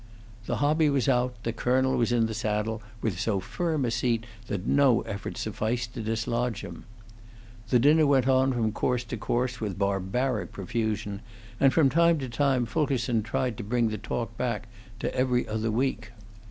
The hobby was out, the colonel was in the saddle with so firm a seat that no effort sufficed to dislodge him. The dinner went on from course to course with barbaric profusion, and from time to time Fulkerson tried to bring the talk back to 'Every Other Week.'